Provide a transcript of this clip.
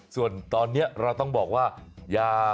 ส่วนตอนนี้เราต้องบอกว่ายา